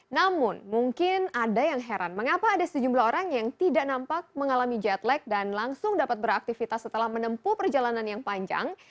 namun mungkin ada yang heran mengapa ada sejumlah orang yang tidak nampak mengalami jetlag dan langsung dapat beraktivitas setelah menempuh perjalanan yang panjang